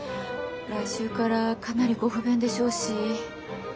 来週からかなりご不便でしょうし。